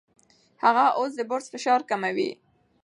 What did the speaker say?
هغه اوس د برس فشار کموي.